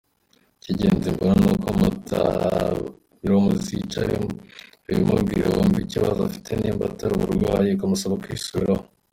Ikingenzi mbona nuko mutabiganiraho muzicare ibimubwire wumve ikibazo afite nimba atari uburwayi ukamusaba kwisubiraho.